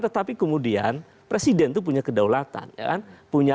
tetapi kemudian presiden itu punya kedaulatan